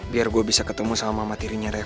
biar gue bisa ketemu sama mama tirinya reva